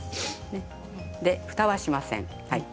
ふたはしません。